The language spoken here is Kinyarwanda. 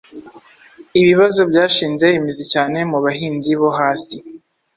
Ibibazo byashinze imizi cyane mu bahinzi bo hasi.